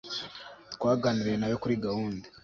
twaganiriye nawe kuri gahunda